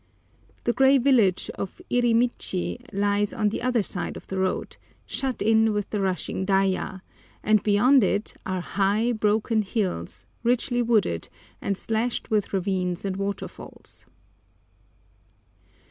The grey village of Irimichi lies on the other side of the road, shut in with the rushing Daiya, and beyond it are high, broken hills, richly wooded, and slashed with ravines and waterfalls.